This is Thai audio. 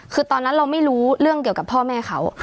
คือตอนนั้นเราไม่รู้เรื่องเกี่ยวกับพ่อแม่เขา